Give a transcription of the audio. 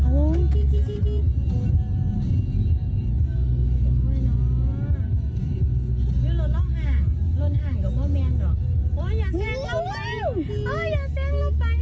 รถล่อห่าง